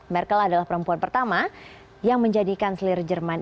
merkel adalah perempuan pertama yang menjadikan selir jerman